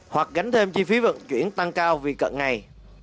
hoặc gánh thêm chi phí vận chuyển tăng cao vì cận ngày